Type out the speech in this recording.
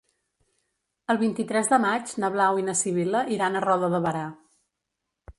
El vint-i-tres de maig na Blau i na Sibil·la iran a Roda de Berà.